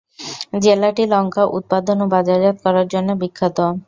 জেলাটি লঙ্কা উৎপাদন এবং বাজারজাত করার জন্য বিখ্যাত।